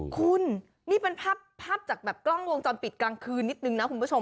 คุณนี่เป็นภาพจากแบบกล้องวงจรปิดกลางคืนนิดนึงนะคุณผู้ชม